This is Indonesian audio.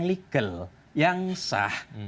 legal yang sah